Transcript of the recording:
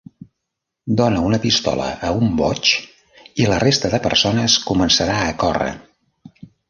Dona una pistola a un boig i la resta de persones començarà a córrer.